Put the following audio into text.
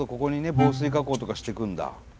防水加工とかしてくんだ。